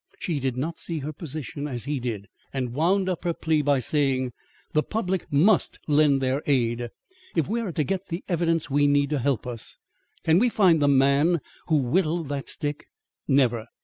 She did not see her position as he did, and wound up her plea by saying: "The public must lend their aid, if we are to get the evidence we need to help us. Can we find the man who whittled that stick? Never.